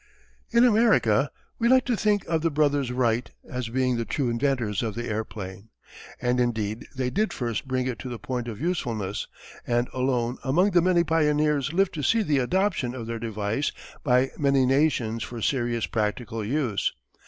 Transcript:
In America we like to think of the brothers Wright as being the true inventors of the airplane. And indeed they did first bring it to the point of usefulness, and alone among the many pioneers lived to see the adoption of their device by many nations for serious practical use.